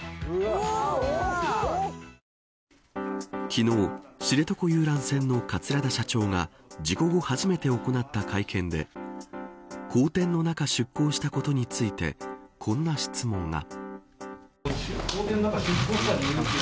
昨日、知床遊覧船の桂田社長が事故後初めて行った会見で荒天の中出航したことについてこんな質問が。